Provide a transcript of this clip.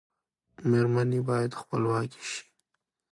میرمنې باید خپلواکې شي.